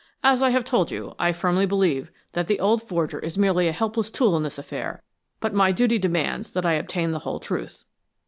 As I have told you, I firmly believe that the old forger is merely a helpless tool in this affair, but my duty demands that I obtain the whole truth.